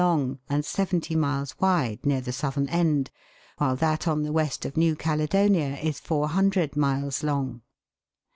133 long, and seventy miles wide near the southern end, while that on the west of New Caledonia is 400 miles long.